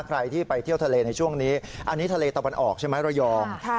ใครที่ไปเที่ยวทะเลในช่วงนี้อันนี้ทะเลตะวันออกใช่ไหมระยอง